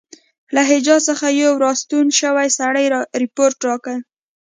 له حجاز څخه یو را ستون شوي سړي رپوټ راکړی.